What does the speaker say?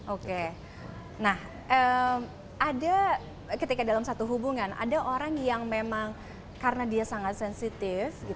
oke nah ada ketika dalam satu hubungan ada orang yang memang karena dia sangat sensitif